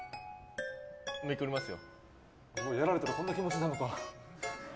やられたらこんな気持ちになるのか。